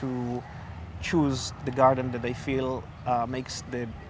untuk memilih bunga yang mereka rasa